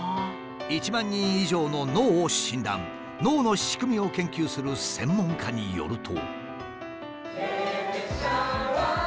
１万人以上の脳を診断脳の仕組みを研究する専門家によると。